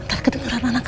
ntar kedengeran anak anak